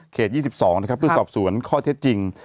เขต๒๒นะครับที่สอบสวนข้อเท็จจริง